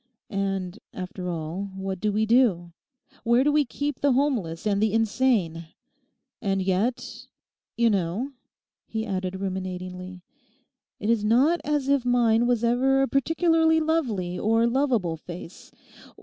And after all, what do we do? Where do we keep the homeless and the insane? And yet, you know,' he added ruminatingly, 'it is not as if mine was ever a particularly lovely or lovable face!